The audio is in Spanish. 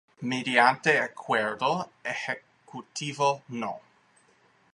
Mediante acuerdo Ejecutivo No.